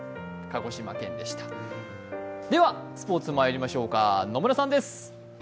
ではスポーツにまいりましょうか、野村さんです。